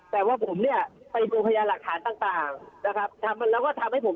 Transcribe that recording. แต่ผมให้ดูประหญาณหลักฐานต่าง